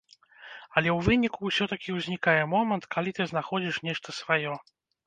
Але ў выніку ўсё-такі ўзнікае момант, калі ты знаходзіш нешта сваё.